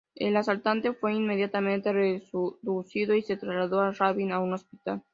El asaltante fue inmediatamente reducido y se trasladó a Rabin a un hospital.